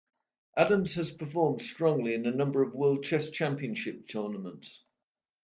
Adams has performed strongly in a number of World Chess Championship tournaments.